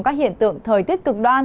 các hiện tượng thời tiết cực đoan